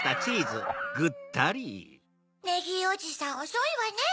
ネギーおじさんおそいわね。